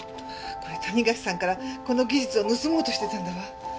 これ谷垣さんからこの技術を盗もうとしてたんだわ。